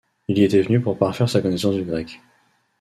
Il y était venu pour parfaire sa connaissance du grec.